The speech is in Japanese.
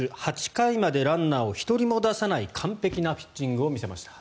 ８回までランナーを１人も出さない完璧なピッチングを見せました。